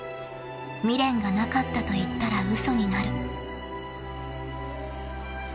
［未練がなかったといったら嘘になる］